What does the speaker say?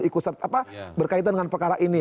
ikut berkaitan dengan perkara ini